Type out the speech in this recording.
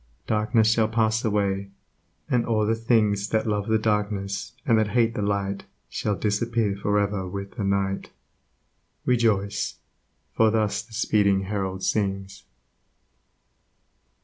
Darkness shall pass away, and all the things That love the darkness, and that hate the Light Shall disappear for ever with the Night: Rejoice! for thus the speeding Herald sings.